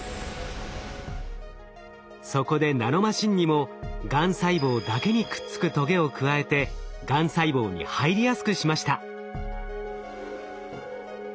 そこでナノマシンにもがん細胞だけにくっつくトゲを加えてがん細胞に入りやすくしました。